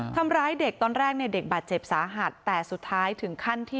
ทำร้ายเด็กตอนแรกแบบจะเจ็บสาหัสแต่สุดท้ายถึงขั้นที่